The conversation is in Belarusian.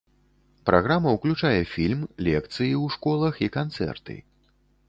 Праграма ўключае фільм, лекцыі ў школах і канцэрты.